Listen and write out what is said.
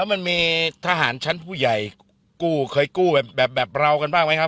มันมีทหารชั้นผู้ใหญ่กู้เคยกู้แบบเรากันบ้างไหมครับ